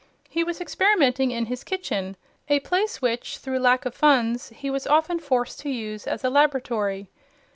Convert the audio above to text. He was experimenting in his kitchen, a place which, through lack of funds, he was often forced to use as a laboratory.